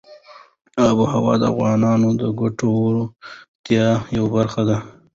آب وهوا د افغانانو د ګټورتیا یوه برخه ده.